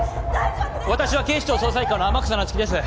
私は警視庁捜査一課の天草那月です。